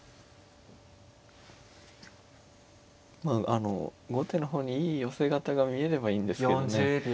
まああの後手の方にいい寄せ形が見えればいいんですけどね。